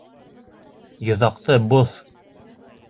Йоҙаҡты боҙ!